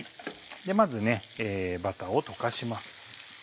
まずバターを溶かします。